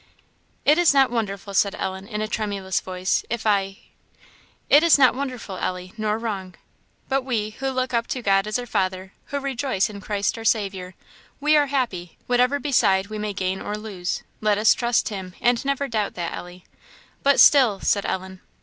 "It is not wonderful," said Ellen, in a tremulous voice, "if I " "It is not wonderful, Ellie, nor wrong. But we, who look up to God as our Father who rejoice in Christ our Saviour we are happy, whatever beside we may gain or lose. Let us trust Him, and never doubt that, Ellie." "But still " said Ellen.